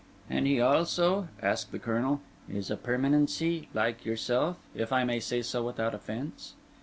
"And he also," asked the Colonel, "is a permanency—like yourself, if I may say so without offence?"